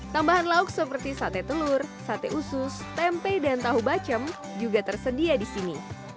tambahan lauk seperti sate telur sate usus tempe dan tahu bacem juga tersedia di sini